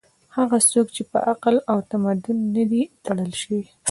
هغه څوک چې په عقل او تمدن نه دي تړل شوي